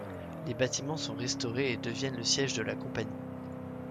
Les bâtiments sont restaurés et deviennent le siège de la compagnie.